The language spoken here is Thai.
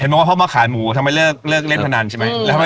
เห็นมั้งว่าพ่อมาขายหมูทำให้เลิกเล่นพนันใช่ไหม